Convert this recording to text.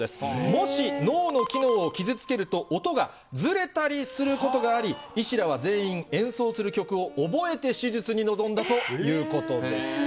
もし、脳の機能を傷つけると、音がずれたりすることがあり、医師らは全員、演奏する曲を覚えて手術に臨んだということです。